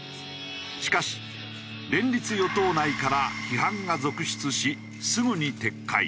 しかし連立与党内から批判が続出しすぐに撤回。